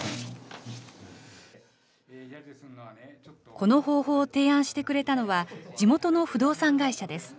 この方法を提案してくれたのは、地元の不動産会社です。